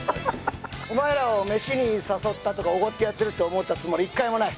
お前らを飯に誘ったとかおごってやってるって思ったつもり一回もない。